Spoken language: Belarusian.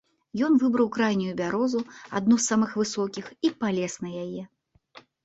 Ён выбраў крайнюю бярозу, адну з самых высокіх, і палез на яе.